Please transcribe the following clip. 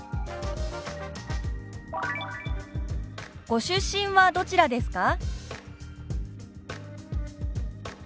「ご出身はどちらですか？」。